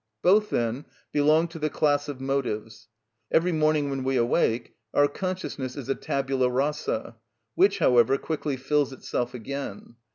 Both, then, belong to the class of motives. Every morning when we awake our consciousness is a tabula rasa, which, however, quickly fills itself again.